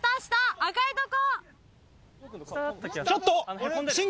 赤いとこ。